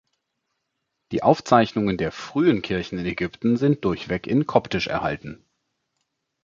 Die Aufzeichnungen der frühen Kirchen in Ägypten sind durchweg in Koptisch erhalten.